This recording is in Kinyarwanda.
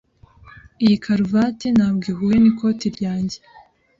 Iyi karuvati ntabwo ihuye n'ikoti ryanjye.